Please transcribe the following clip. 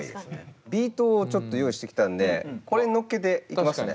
ビートをちょっと用意してきたんでこれに乗っけていきますね。